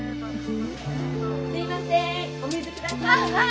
・すいませんお水下さい。